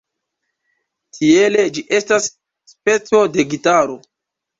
Tiele ĝi estas speco de gitaro.